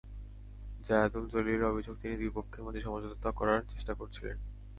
জায়েদুল জলিলের অভিযোগ, তিনি দুই পক্ষের মধ্যে সমঝোতা করার চেষ্টা করছিলেন।